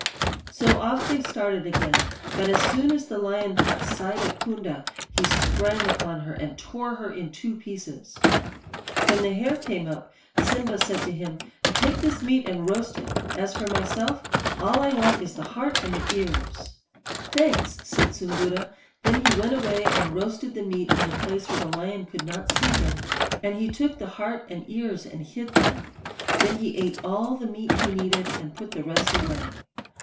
"So off they started again; but as soon as the lion caught sight of Poonda he sprang upon her and tore her in two pieces. "When the hare came up, Simba said to him: 'Take this meat and roast it. As for myself, all I want is the heart and ears.' "'Thanks,' said Soongoora. Then he went away and roasted the meat in a place where the lion could not see him, and he took the heart and ears and hid them. Then he ate all the meat he needed, and put the rest away.